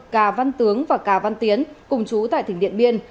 cà văn tướng và cà văn tiến cùng chú tại tỉnh điện biên